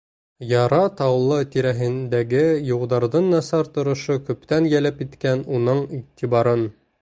Ярат ауылы тирәһендәге юлдарҙың насар торошо күптән йәлеп иткән уның иғтибарын.